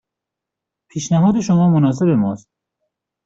پیشنهاد شما مناسب ما است.